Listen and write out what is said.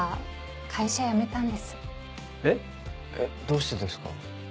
どうしてですか？